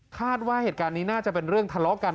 คาดว่าเหตุการณ์นี้น่าจะเป็นเรื่องทะเลาะกัน